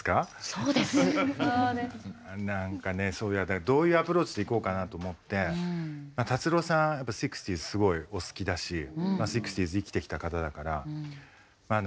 そうだからどういうアプローチでいこうかなと思って達郎さんやっぱシックスティーズすごいお好きだしシックスティーズ生きてきた方だからまあ